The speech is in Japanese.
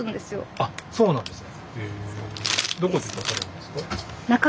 あっそうなんですか。